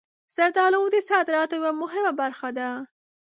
زردالو د صادراتو یوه مهمه برخه ده.